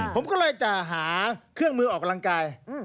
ผมก็เลยจะหาเครื่องมือออกกำลังกาย